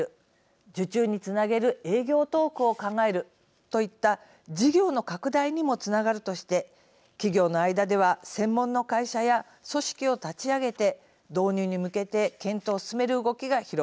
受注につなげる営業トークを考えるといった事業の拡大にもつながるとして企業の間では専門の会社や組織を立ち上げて導入に向けて検討を進める動きが広がっています。